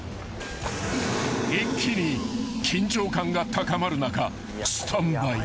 ［一気に緊張感が高まる中スタンバイ］